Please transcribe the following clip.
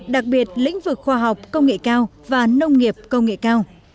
đặc biệt lĩnh vực khoa học công nghệ cao và nông nghiệp công nghệ cao